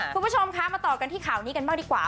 คุณผู้ชมคะมาต่อกันที่ข่าวนี้กันบ้างดีกว่า